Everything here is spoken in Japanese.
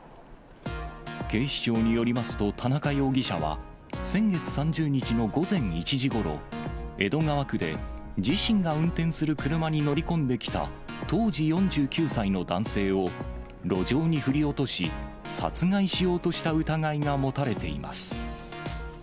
警視庁によりますと、田中容疑者は、先月３０日の午前１時ごろ、江戸川区で自身が運転する車に乗り込んできた当時４９歳の男性を路上に振り落とし、殺害しようとした疑いが持たれています。